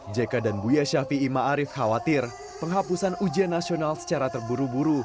jeka dan buya shafi'i ma'arif khawatir penghapusan ujian nasional secara terburu buru